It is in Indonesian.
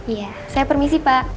iya saya permisi pak